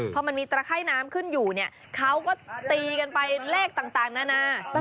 เฉายนน้ำขึ้นอยู่เขาก็ตีไปเลขต่างนานา